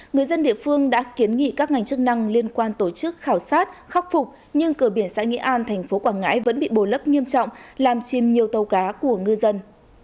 người dân địa phương đã kiến nghị các ngành chức năng liên quan tổ chức khảo sát khắc phục nhưng cửa biển xã nghĩa an tp quảng ngãi vẫn bị bồ lấp nghiêm trọng làm chìm nhiều tàu cá của ngư dân